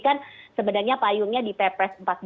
kan sebenarnya payungnya di ppres